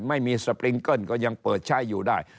ไม่มีสปริงเกิ้ลก็ยังเปิดใช้อยู่ได้